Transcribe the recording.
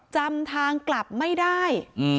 จำทางกลับไม่ได้